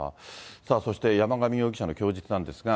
そして山上容疑者の供述なんですが。